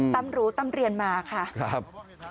ตั้มรู้ตั้มเรียนมาค่ะครับ